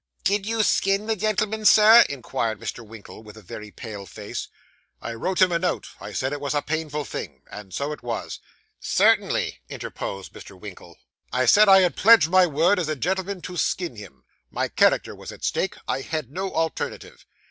'Did you skin the gentleman, Sir?' inquired Mr. Winkle, with a very pale face. 'I wrote him a note, I said it was a painful thing. And so it was.' 'Certainly,' interposed Mr. Winkle. 'I said I had pledged my word as a gentleman to skin him. My character was at stake. I had no alternative.